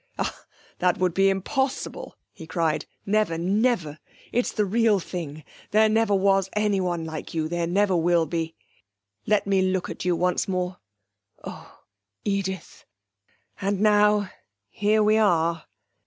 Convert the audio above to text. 'Ah, that would be impossible!' he cried. 'Never never! It's the real thing; there never was anyone like you, there never will be. Let me look at you once more....Oh, Edith! And now here we are.'